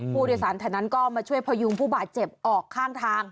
ผู้โดยสารแถวนั้นก็มาช่วยพยุงผู้บาดเจ็บออกข้างทาง